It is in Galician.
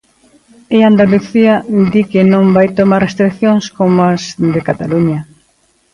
E Andalucía di que non vai tomar restricións como as de Cataluña.